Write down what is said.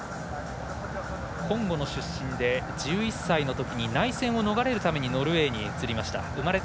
コンゴの出身で、１１歳のときに内戦を逃れるためにノルウェーに移りました。